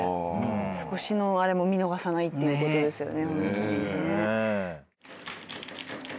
少しのあれも見逃さないっていうことですよね。